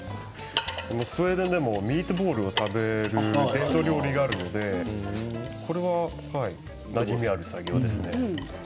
スウェーデンでもミートボールは食べるので伝統料理があるのでこれは、なじみある作業ですね。